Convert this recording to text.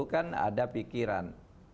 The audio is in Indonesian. itu kan ada pikiran